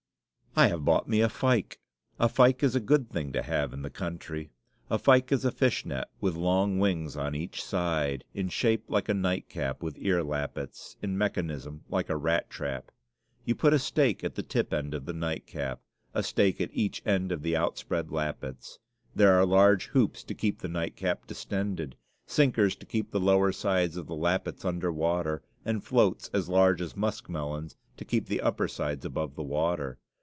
I have bought me a fyke! A fyke is a good thing to have in the country. A fyke is a fishnet, with long wings on each side; in shape like a nightcap with ear lappets; in mechanism like a rat trap. You put a stake at the tip end of the nightcap, a stake at each end of the outspread lappets; there are large hoops to keep the nightcap distended, sinkers to keep the lower sides of the lappets under water, and floats as large as muskmelons to keep the upper sides above the water.